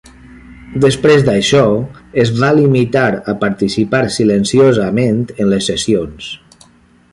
Després d'això, es va limitar a participar silenciosament en les sessions.